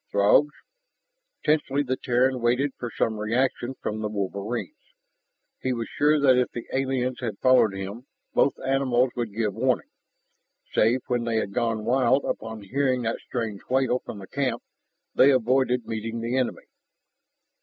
Throgs? Tensely the Terran waited for some reaction from the wolverines. He was sure that if the aliens had followed him, both animals would give warning. Save when they had gone wild upon hearing that strange wail from the camp, they avoided meeting the enemy.